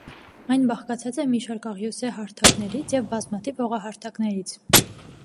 Այն բաղկացած է մի շարք աղյուսե հարթակներից և բազմաթիվ հողահարթակներից։